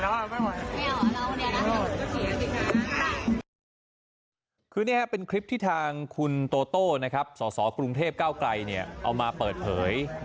คือนี่เป็นคลิปที่ทางคุณโตโต้สสกรุงเทพเก้าไกลเอามาเปิดเผย